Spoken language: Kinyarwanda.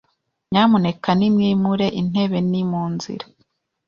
Nyamuneka nimwimure intebe. Ni mu nzira.